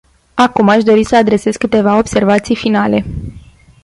Acum aș dori să adresez câteva observații finale.